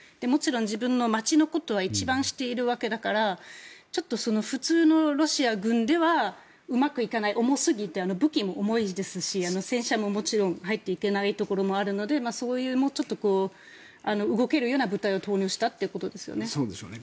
もちろん自分の街のことは一番知っているわけだからちょっと普通のロシア軍ではうまくいかない武器も重いですし戦車ももちろん入っていけないところもあるのでそういう動けるような部隊を投入したってことですよね。